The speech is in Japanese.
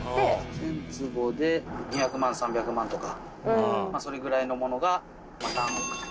１０００坪で２００万３００万とかそれぐらいのものが何億とか。